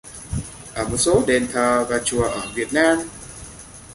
ở một số đền thờ và chùa ở Việt Nam